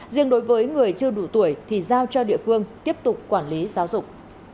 riêng đối với người chưa đủ tuổi thì giao cho địa phương tiếp tục quản lý giáo dục